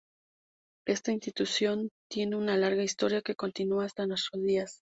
Esta institución tiene una larga historia que continúa hasta nuestros días.